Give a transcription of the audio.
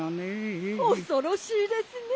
おそろしいですね。